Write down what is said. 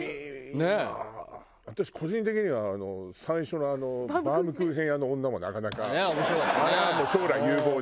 私個人的には最初のバウムクーヘン屋の女もなかなか。面白かったね。